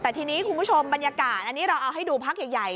แต่ทีนี้คุณผู้ชมบรรยากาศอันนี้เราเอาให้ดูพักใหญ่